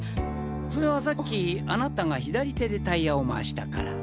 それはさっきあなたが左手でタイヤを回したから。